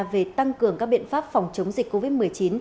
về tăng cường các biện pháp phòng chống dịch covid một mươi chín